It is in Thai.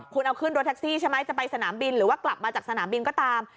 คุณเอาขึ้นรถแท็กซี่ใช่ไหมจะไปสนามบินหรือว่ากลับมาจากสนามบินก็ตาม